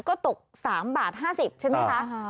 ก็ตก๓บาท๕๐ใช่ไหมคะ